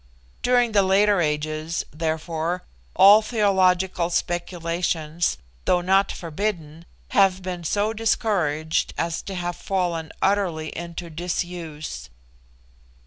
During the later ages, therefore, all theological speculations, though not forbidden, have been so discouraged as to have fallen utterly into disuse.